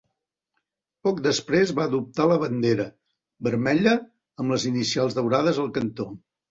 Poc després va adoptar la bandera, vermella amb les inicials daurades al cantó.